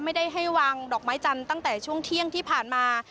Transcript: ไม่ได้ให้วางดอกไม้จันทร์ตั้งแต่ช่วงเที่ยงที่ผ่านมา